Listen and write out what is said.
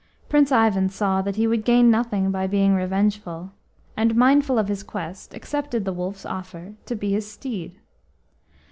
Prince Ivan saw that he would gain nothing by being revengeful, and, mindful of his quest, accepted the Wolf's offer to be his steed.